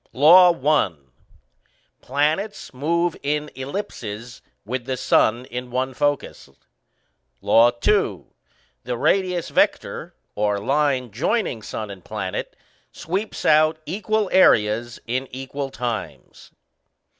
LAW I. Planets move in ellipses, with the Sun in one focus. LAW II. _The radius vector (or line joining sun and planet) sweeps out equal areas in equal times.